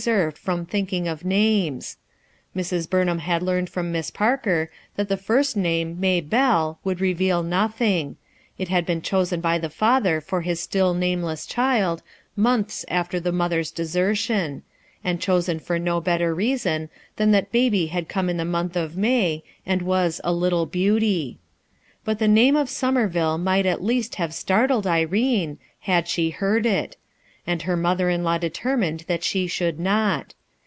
served from thinking of names. Mrs. Burn liam had learned from Miss Parker that the first name, Maybelle, would reveal nothing; it had been chosen by the father for his still nameless child, months after the mother's desertion; and chosen for no better reason than that Baby had come in the month of May, and was a "little beauty." But the name of Somer ville might at least have startled Irene, had she heard it; and her mother in law determined that she should not.